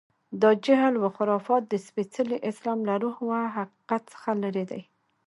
دا جهل و خرافات د سپېڅلي اسلام له روح و حقیقت څخه لرې دي.